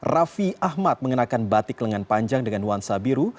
raffi ahmad mengenakan batik lengan panjang dengan nuansa biru